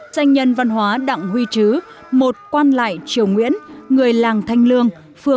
sanh nhân văn hóa đặng huy trứ một quan lại triều nguyễn người làng thanh lương